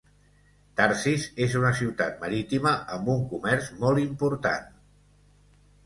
Tarsis és una ciutat marítima amb un comerç molt importat.